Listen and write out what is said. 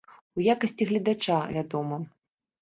У якасці гледача, вядома!